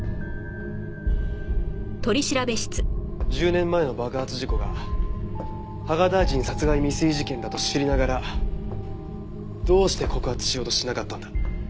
１０年前の爆発事故が芳賀大臣殺害未遂事件だと知りながらどうして告発しようとしなかったんだ？